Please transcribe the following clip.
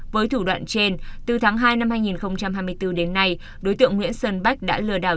với thủ đoạn trên từ tháng hai năm hai nghìn hai mươi bốn đến nay đối tượng nguyễn xuân bách đã lừa đảo